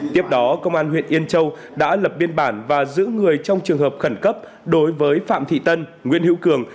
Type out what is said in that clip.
tiếp đó công an huyện yên châu đã lập biên bản và giữ người trong trường hợp khẩn cấp đối với phạm thị tân nguyễn hữu cường